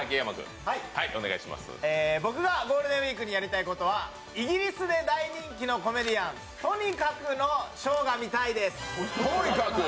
僕がゴールデンウイークにやりたいことはイギリスで大人気のコメディアン、Ｔｏｎｉｋａｋｕのショーが見たいです。